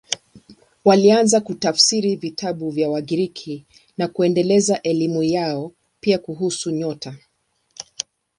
Walianza kutafsiri vitabu vya Wagiriki na kuendeleza elimu yao, pia kuhusu nyota.